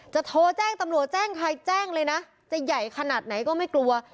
โทรแจ้งตำรวจแจ้งใครแจ้งเลยนะจะใหญ่ขนาดไหนก็ไม่กลัว